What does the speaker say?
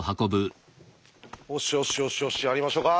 よしよしよしやりましょか！